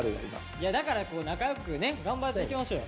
いやだから仲良くね頑張っていきましょうよ。